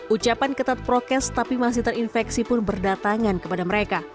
ucapan ketat prokes tapi masih terinfeksi pun berdatangan kepada mereka